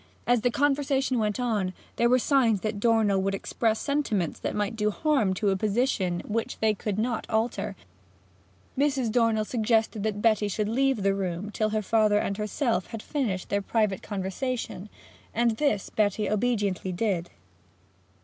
As the conversation went on, and there were signs that Dornell would express sentiments that might do harm to a position which they could not alter, Mrs. Dornell suggested that Betty should leave the room till her father and herself had finished their private conversation; and this Betty obediently did.